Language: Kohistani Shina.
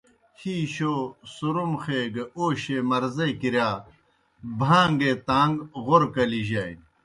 ہی شو، سُرُمخے گہ اوشیْئے مرضے کِرِیا بھان٘گے تان٘گ غورہ کلیجانیْ۔